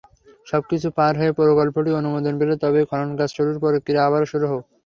সবকিছু পার হয়ে প্রকল্পটি অনুমোদন পেলে তবেই খননকাজ শুরুর প্রক্রিয়া আবার শুরু।